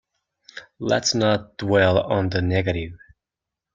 Let's not dwell on the negative.